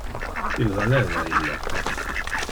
Il valeva illo.